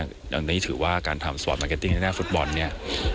อันนี้ถือว่าการทำสปอร์ตมาร์เก็ตติ้งให้หน้าฟุตบอลเนี่ย